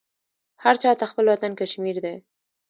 هر چا ته خپل وطن کشمیر دی